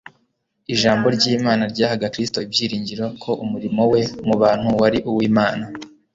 Ijambo ry'Imana ryahaga Kristo ibyiringiro ko umurimo we mu bantu wari uw'Imana.